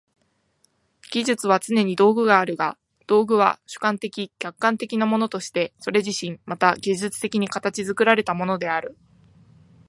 技術にはつねに道具があるが、道具は主観的・客観的なものとしてそれ自身また技術的に形作られたものである。